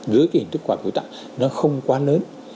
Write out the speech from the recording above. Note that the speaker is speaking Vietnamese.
dưới cái hình thức quản lý tạo nó không quá lớn